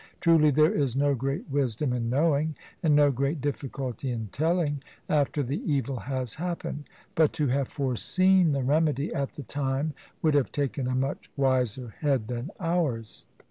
Truly there is no great wisdom in knowing, and no great difficulty in telling, after the evil has happened; but to have foreseen the remedy at the time would have taken a much wiser head than ours.